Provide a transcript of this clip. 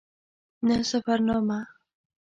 نه سفرنامه.